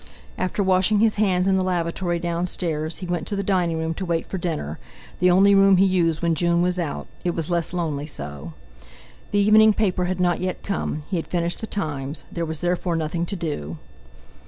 After washing his hands in the lavatory downstairs, he went to the dining room to wait for dinner, the only room he used when June was out—it was less lonely so. The evening paper had not yet come; he had finished the Times, there was therefore nothing to do.